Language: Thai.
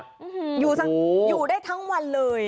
อยู่ได้ทั้งวันเลย